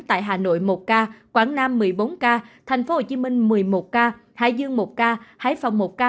tại hà nội một ca quảng nam một mươi bốn ca tp hcm một mươi một ca hải dương một ca hải phòng một ca